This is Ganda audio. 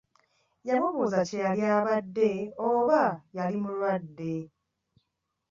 Yamubuuza kye yali abadde oba yali mulwadde.